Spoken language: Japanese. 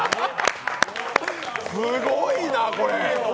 すごいなこれ。